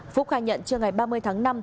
phúc khai nhận trước ngày ba mươi tháng năm